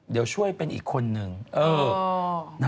เดี๋ยวช่วยเป็นอีกคนนึงนะครับ